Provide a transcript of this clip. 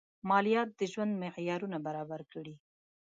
مالیات د ژوند معیارونه برابر کړي.